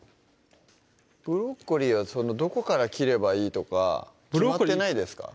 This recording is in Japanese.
ブロッコリーはどこから切ればいいとか決まってないですか？